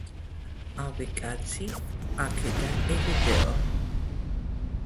ავი კაცი, აქე და ერიდეო